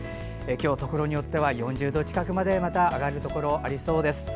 今日ところによっては４０度近くまでまた上がるところありそうです。